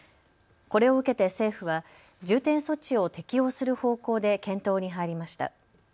これを受けて政府は重点措置を適用する方向で検討に入りました。